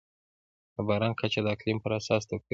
د باران کچه د اقلیم پر اساس توپیر لري.